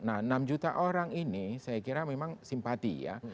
nah enam juta orang ini saya kira memang simpati ya